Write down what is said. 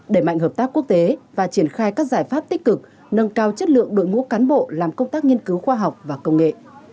đẩy mạnh hợp tác quốc tế và triển khai các giải pháp tích cực nâng cao chất lượng đội ngũ cán bộ làm công tác nghiên cứu khoa học và công nghệ